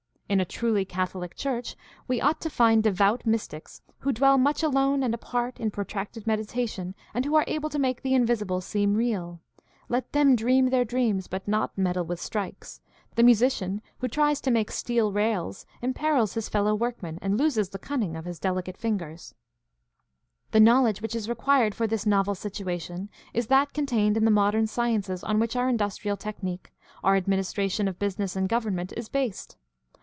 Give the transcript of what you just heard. In a truly catholic church we ought to find devout mystics who dwell much alone and apart in protracted meditation, and who are able to make the invisible seem real. Let them dream their dreams but not meddle with strikes. The musician who tries to make steel rails imperils his fellow workmen and loses the cunning of his delicate fingers. CHRISTIANITY AND SOCIAL PROBLEMS 689 The knowledge which is required for this novel situation is that contained in the modem sciences on which our industrial technique, our administration of business and government, is based.